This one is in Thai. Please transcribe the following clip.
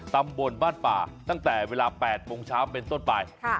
ตำบลบ้านป่าตั้งแต่เวลา๘โมงเช้าเป็นต้นไป